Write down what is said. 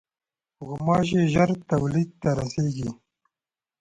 غوماشې ژر تولید ته رسېږي.